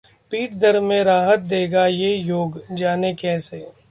पीठ दर्द में राहत देगा ये योग, जानें कैसे